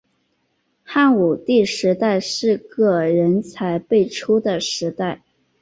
汉武帝时代是个人才辈出的时代。